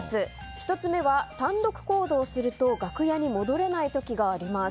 １つ目は、単独行動すると楽屋に戻れない時があります。